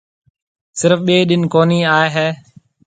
سرف ٻي ڏن ڪونِي آئي هيَ۔